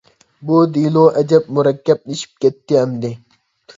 بۇ دېلو ئەجەب مۇرەككەپلىشىپ كەتتى ئەمدى.